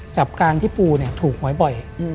จากการที่ปูถูกไว้บ่อย